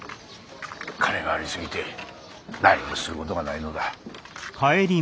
金があり過ぎて何もする事がないのだ。